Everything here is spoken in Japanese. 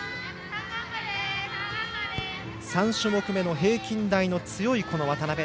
３種目めの平均台に強い渡部。